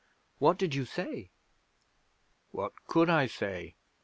'What did you say?' 'What could I say?